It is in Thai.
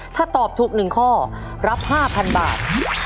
ถ้าตอบถูก๑ข้อรับ๕๐๐๐บาท